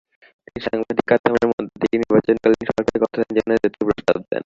তিনি সাংবিধানিক কাঠামোর মধ্যে থেকে নির্বাচনীকালীন সরকার গঠনের জন্য দুটি প্রস্তাব দেন।